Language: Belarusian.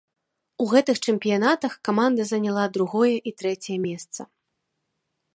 У гэтых чэмпіянатах каманда заняла другое і трэцяе месца.